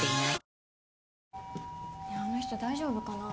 あの人大丈夫かな？